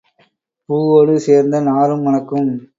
பூவோடு சேர்ந்த நாரும் மணக்கும்.